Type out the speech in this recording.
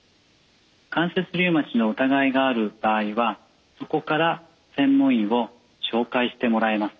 関節リウマチの疑いがある場合はそこから専門医を紹介してもらえます。